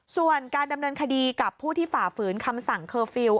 ส่วนการดำเนินคดีกับผู้ที่ฝ่าฝืนคำสั่งเคอร์ฟิลล